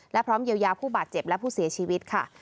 และพร้อมเยียวยาผู้บาดเจ็บและผู้เสียชีวิตค่ะ